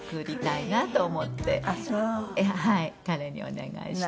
彼にお願いして。